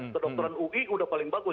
kedokteran ui udah paling bagus